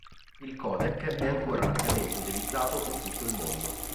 Il codec è ancora largamente utilizzato in tutto il mondo.